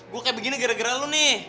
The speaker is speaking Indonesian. gue kayak begini gara gara lu nih